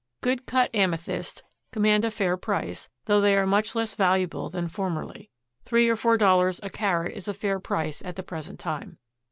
Good cut amethysts command a fair price, though they are much less valuable than formerly. Three or four dollars a carat is a fair price at the present time.